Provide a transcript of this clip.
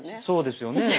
そうですよね。